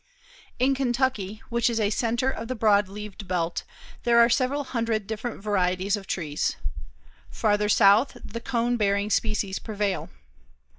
In Kentucky, which is a centre of the broad leaved belt, there are several hundred different varieties of trees. Farther south, the cone bearing species prevail.